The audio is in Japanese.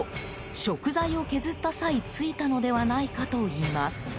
食材を削った際ついたのではないかといいます。